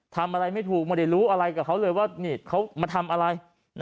ทำอะไรไม่ถูกไม่ได้รู้อะไรกับเขาเลยว่าเขามาทำอะไร